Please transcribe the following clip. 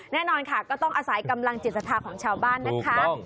แน่นอนค่ะก็ต้องอาศัยกำลังจิตศรัทธาของชาวบ้านนะคะ